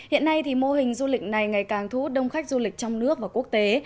hiện nay mô hình du lịch này ngày càng thú đông khách du lịch trong nước và quốc tế